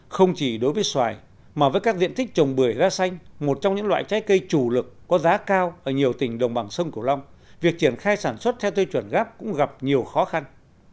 không chỉ đối với xoài mà với các diện tích trồng bưởi da xanh một trong những loại trái cây chủ lực có giá cao ở nhiều tỉnh đồng bằng sông cửu long việc triển khai sản xuất theo tiêu chuẩn gáp cũng gặp nhiều khó khăn